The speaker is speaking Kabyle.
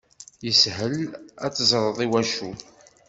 Yeshel ad teẓreḍ iwacu.